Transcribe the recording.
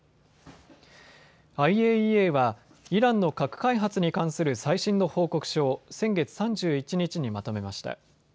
ＩＡＥＡはイランの核開発に関する最新の報告書を先月３１日にまとめました。